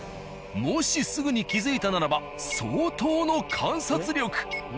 もしすぐに気づいたならば相当の観察力。